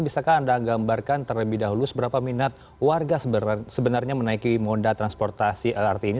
bisakah anda gambarkan terlebih dahulu seberapa minat warga sebenarnya menaiki moda transportasi lrt ini